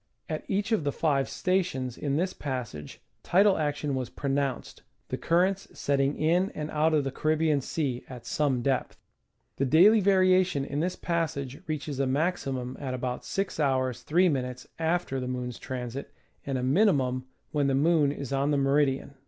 At each of the five sta tions in this passage tidal action was pronounced, the currents setting in and out of the Caribbean Sea at some depth. The daily variation in this passage reaches a maximum at about 6'^ 3"^ after the moon's transit, and a minimum when the moon is on the meridian.